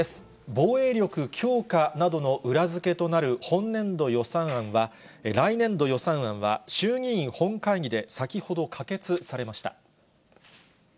防衛力強化などの裏付けとなる本年度予算案は、来年度予算は、衆議院本会議で先ほど可決されました。